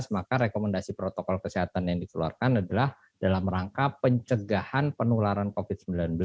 maka rekomendasi protokol kesehatan yang dikeluarkan adalah dalam rangka pencegahan penularan covid sembilan belas